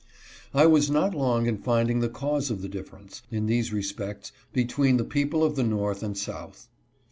I was not long in finding the cause of the differ ence, in these respects, between the people of the north and south.